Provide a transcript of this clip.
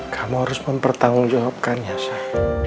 kamu harus mempertanggungjawabkannya syah